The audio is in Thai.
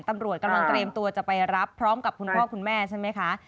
ตำรวจกำลังเตรียมตัวจะไปรับพร้อมกับคุณพ่อคุณแม่ใช่ไหมคะ